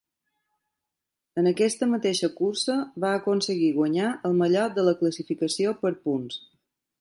En aquesta mateixa cursa va aconseguir guanyar el mallot de la classificació per punts.